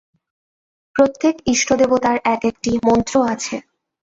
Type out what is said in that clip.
প্রত্যেক ইষ্টদেবতার এক-একটি মন্ত্র আছে।